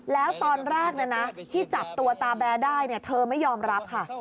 แล้วตอนแรกที่จับตัวตาแบร์ได้เธอไม่ยอมรับค่ะ